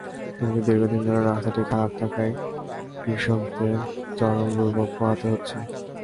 কিন্তু দীর্ঘদিন ধরে রাস্তাটি খারাপ থাকায় কৃষকদের চরম দুর্ভোগ পোহাতে হচ্ছে।